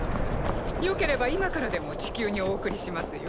よければ今からでも地球にお送りしますよ。